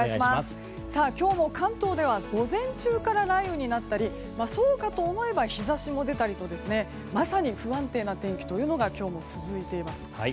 今日も関東では午前中から雷雨になったりそうかと思えば日差しも出たりとまさに不安定な天気というのが今日も続いています。